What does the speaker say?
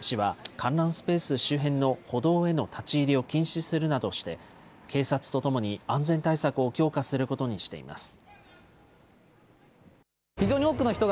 市は観覧スペース周辺の歩道への立ち入りを禁止するなどして、警察とともに安全対策を強化することにしています。